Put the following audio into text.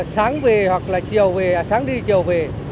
sáng về hoặc là chiều về sáng đi chiều về